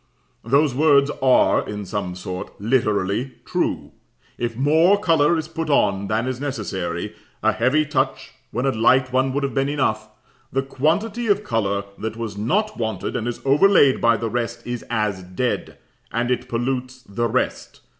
Those words are, in some sort, literally true. If more colour is put on than is necessary, a heavy touch when a light one would have been enough, the quantity of colour that was not wanted, and is overlaid by the rest, is as dead, and it pollutes the rest.